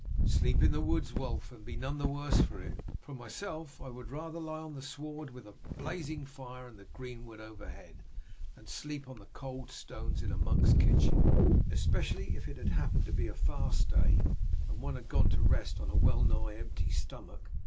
"Sleep in the woods, Wulf, and be none the worse for it. For myself, I would rather lie on the sward with a blazing fire and the greenwood overhead, than sleep on the cold stones in a monk's kitchen, especially if it happened to be a fast day and one had gone to rest on a well nigh empty stomach."